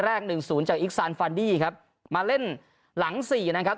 หนึ่งศูนย์จากอิกซานฟาดี้ครับมาเล่นหลังสี่นะครับ